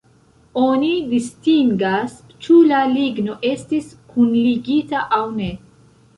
Oni distingas, ĉu la ligno estis kunligita aŭ ne.